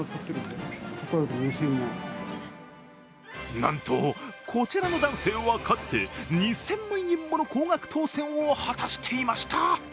なんと、こちらの男性はかつて２０００万円もの高額当せんを果たしていました。